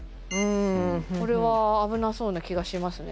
これは危なそうな気がしますね。